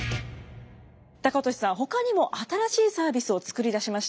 高利さんほかにも新しいサービスを作り出しました。